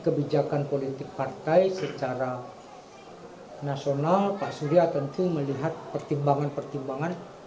kebijakan politik partai secara nasional pak surya tentu melihat pertimbangan pertimbangan